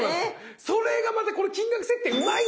それがまたこの金額設定うまいんですよ。